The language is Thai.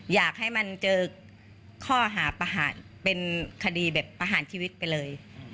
อยากให้มันเจอข้อหาประหารเป็นคดีแบบประหารชีวิตไปเลย